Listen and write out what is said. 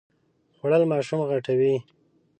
خوړل ماشوم غټوي